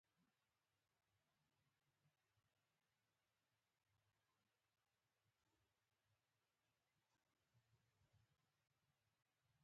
د وطن او دین لپاره وجنګیږي.